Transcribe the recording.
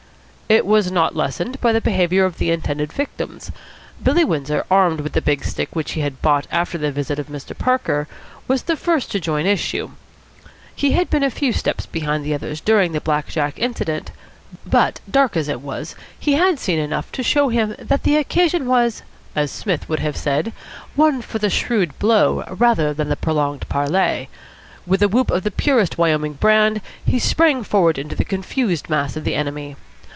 It was not lessened by the behaviour of the intended victims. Billy Windsor, armed with the big stick which he had bought after the visit of Mr. Parker, was the first to join issue. He had been a few paces behind the others during the black jack incident; but, dark as it was, he had seen enough to show him that the occasion was, as Psmith would have said, one for the Shrewd Blow rather than the Prolonged Parley. With a whoop of the purest Wyoming brand, he sprang forward into the confused mass of the enemy.